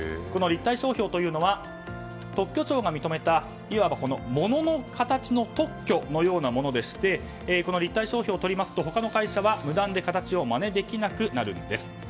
立体商標というのは特許庁が認めたいわば、物の形の特許のようなものでしてこの立体商標を取りますと他の会社は無断で形をまねできなくなるんです。